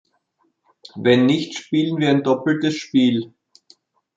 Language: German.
Wenn nicht, spielen wir ein doppeltes Spiel.